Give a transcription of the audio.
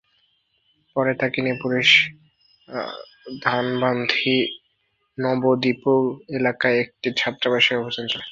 পরে তাঁকে নিয়ে পুলিশ ধানবান্ধি নবদ্বীপুল এলাকায় একটি ছাত্রাবাসে অভিযান চালায়।